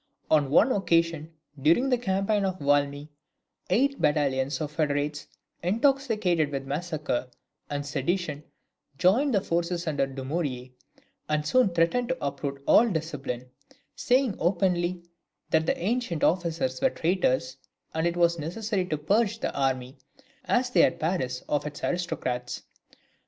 On one occasion during the campaign of Valmy, eight battalions of federates, intoxicated with massacre and sedition, joined the forces under Dumouriez, and soon threatened to uproot all discipline, saying openly that the ancient officers were traitors, and that it was necessary to purge the army, as they had Paris, of its aristocrats.